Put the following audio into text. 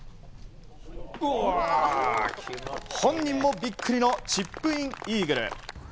本人もビックリのチップインイーグル。